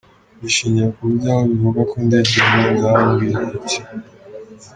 Babishingira kuburyo aho bivugwa ko indege yagonze hangiritse.